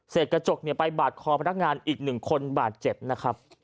กระจกไปบาดคอพนักงานอีกหนึ่งคนบาดเจ็บนะครับ